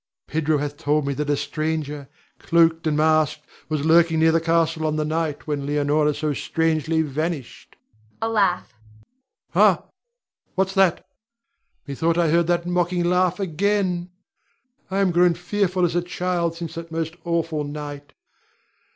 Pedro hath told me that a stranger, cloaked and masked, was lurking near the castle on the night when Leonore so strangely vanished [a laugh]. Ha! what's that? methought I heard that mocking laugh again! I am grown fearful as a child since that most awful night.